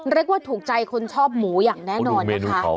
เรียกว่าถูกใจคนชอบหมูอย่างแน่นอนนะคะ